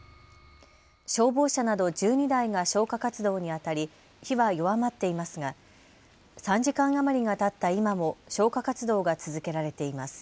消防車など１２台が消火活動にあたり火は弱まっていますが３時間余りがたった今も消火活動が続けられています。